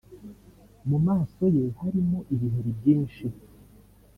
mu maso ye harimo ibiheri byinshi